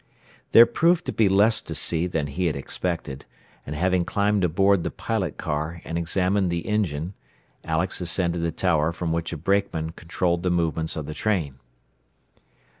There proved to be less to see than he had expected; and having climbed aboard the pilot car and examined the engine, Alex ascended the tower from which a brakeman controlled the movements of the train.